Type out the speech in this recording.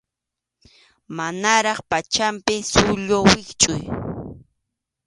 Manaraq pachanpi sullu wischʼuy.